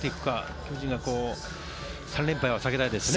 巨人は３連敗は避けたいですね。